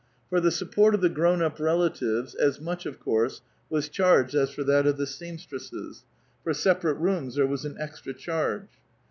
For the su[)port of the grown up rela tives, as much, of course, was charged as for that of the seamstresses : for separate rooms there was an extra Charge.